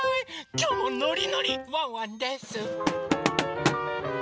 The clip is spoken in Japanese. きょうもノリノリワンワンです！